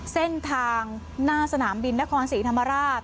เส้นทางหน้าสนามบินนครศรีธรรมราช